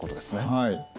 はい。